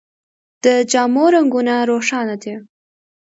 د جامو رنګونه روښانه دي.